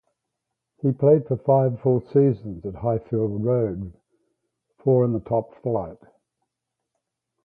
He played for five full seasons at Highfield Road, four in the top flight.